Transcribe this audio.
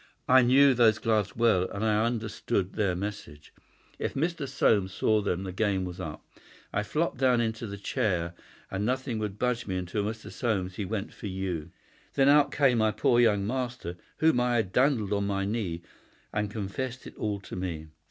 I knew those gloves well, and I understood their message. If Mr. Soames saw them the game was up. I flopped down into that chair, and nothing would budge me until Mr. Soames he went for you. Then out came my poor young master, whom I had dandled on my knee, and confessed it all to me.